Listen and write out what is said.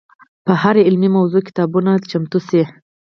په هره علمي موضوع کتابونه چمتو شي.